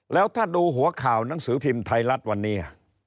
แล้วถ้าดูหัวข่าวหนังสือพิมพ์ไทยรัฐวันนี้